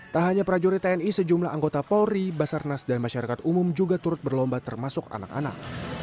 tak hanya prajurit tni sejumlah anggota polri basarnas dan masyarakat umum juga turut berlomba termasuk anak anak